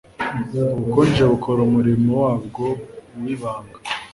Ubukonje bukora umurimo wabwo wibanga